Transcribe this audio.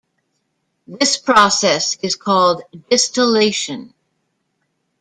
This process is called distillation.